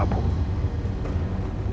hamba sudah berjalan